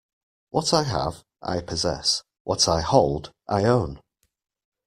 What I have, I possess; what I hold, I own.